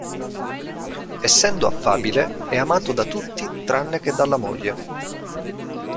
Essendo affabile, è amato da tutti tranne che dalla moglie.